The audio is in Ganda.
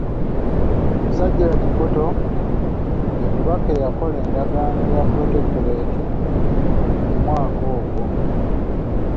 Sir Gerald Portal ye Mubaka eyakola Endagaano ya Protectorate mu mwaka ogwo.